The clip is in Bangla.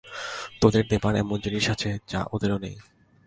তোদের দেবার এমন জিনিষ আছে, যা ওদেরও নেই।